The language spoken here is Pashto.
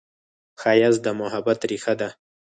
ښایست د محبت ریښه ده